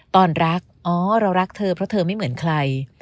ตอนรักอ๋อเรารักเธอเพราะเธอไม่เหมือนใคร